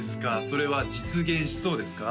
それは実現しそうですか？